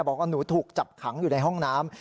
บอกว่าหนูถูกจับขังอยู่ในห้องน้ำ